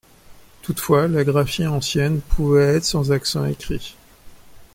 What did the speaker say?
Toutefois, la graphie ancienne pouvait être sans accent écrit.